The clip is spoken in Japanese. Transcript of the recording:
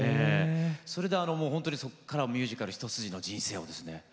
それでもうほんとにそこからミュージカル一筋の人生をですね